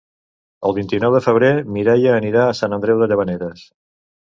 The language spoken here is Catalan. El vint-i-nou de febrer na Mireia anirà a Sant Andreu de Llavaneres.